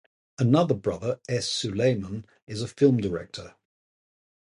Another brother, S. Sulaiman, is a film director.